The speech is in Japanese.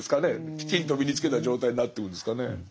きちんと身につけた状態になってくんですかね。